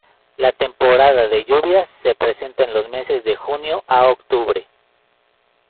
La temporada de lluvias se presenta en los meses de junio a octubre.